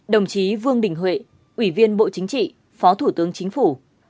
một mươi hai đồng chí vương đình huệ ủy viên bộ chính trị phó thủ tướng chính phủ